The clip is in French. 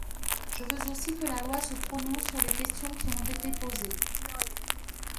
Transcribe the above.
Je veux aussi que la loi se prononce sur les questions qui ont été posées.